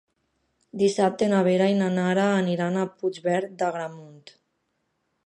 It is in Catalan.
Dissabte na Vera i na Nara aniran a Puigverd d'Agramunt.